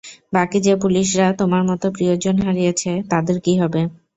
বাকি যে পুলিশরা তোমার মতো প্রিয়জন হারিয়েছে তাদের কী হবে?